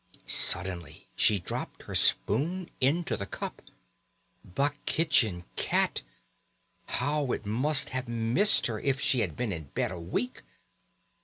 Suddenly she dropped her spoon into the cup. The kitchen cat! How it must have missed her if she had been in bed a week.